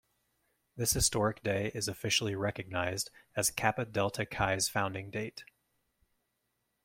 This historic day is officially recognized as Kappa Delta Chi's founding date.